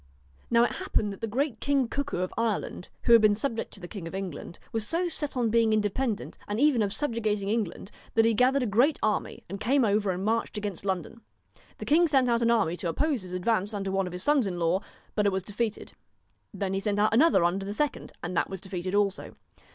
Now it happened that the great King Cuckoo of Ireland, who had been subject to the King of England, was so set on being independent, and even of subjugating England, that he gathered a great army, and came over and marched against London. The king sent out an army to oppose his advance under one of his sons in law, but it was defeated; then he sent another under the second, and that was defeated also.